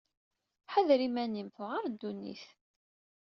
Ḥader iman-im. Tuɛaṛ ddunit.